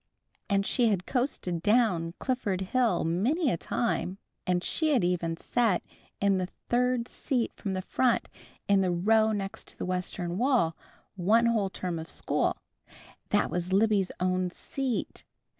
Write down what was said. And she had coasted down Clifford hill many a time, and she had even sat in the third seat from the front in the row next to the western wall, one whole term of school. That was Libby's own seat.